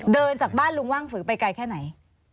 เดินจากบ้านลุงว่างฝือไปไกลแค่ไหน